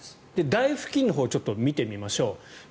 台布巾のほう見てみましょう。